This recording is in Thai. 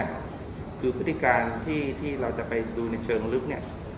ว่าจริงธุรกิจค้าที่เราจะไปดีในเชิงลึกเนี่ย